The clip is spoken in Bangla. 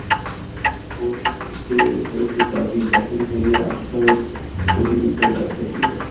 গদির নীচে হইতে চাবি বাহির করিয়া আশা গদির উপরে রাখিয়া দিল।